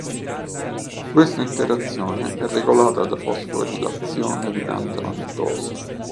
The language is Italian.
Questa interazione è regolata da fosforilazione durante la mitosi.